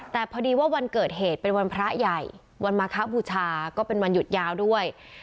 แต่พอดีว่าวันเกิดเหตุเป็นวันพระใหญ่วันมาคบูชาก็เป็นวันหยุดยาวด้วย